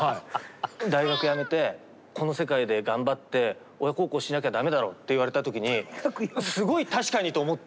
大学やめてこの世界で頑張って親孝行しなきゃ駄目だろって言われた時にすごい「確かに」と思って。